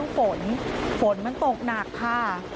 ฝนฝนมันตกหนักค่ะ